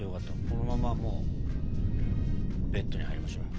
このままもうベッドに入りましょう。